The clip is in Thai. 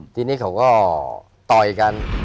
ทีนี้เขาก็ต่อยกัน